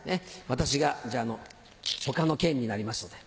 私がじゃあ他の県になりますので。